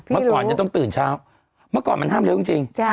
เมื่อก่อนจะต้องตื่นเช้าเมื่อก่อนมันห้ามเร็วจริง